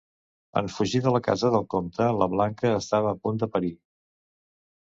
En fugir de la casa del comte, la Blanca estava a punt de parir.